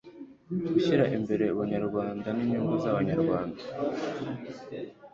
gushyira imbere ubunyarwanda n inyungu z abanyarwanda